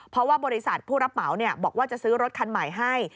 เพราะว่าบริษัทผู้รับเหมาบอกว่าจะซื้อรถคันใหม่ให้